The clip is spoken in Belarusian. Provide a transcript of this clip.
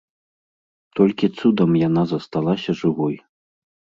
Толькі цудам яна засталася жывой.